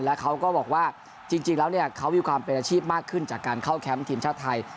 แล้วเขาก็บอกว่าจริงแล้วเขามีความเป็นอาชีพมากขึ้นจากการเข้าแคมป์ทีมชาติไทย